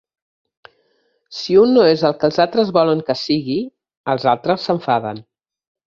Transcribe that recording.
Si un no és el que els altres volen que sigui, els altres s'enfaden.